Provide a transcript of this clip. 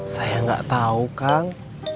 saya gak tahu kang